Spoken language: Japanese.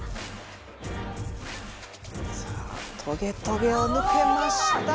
さあトゲトゲをぬけました！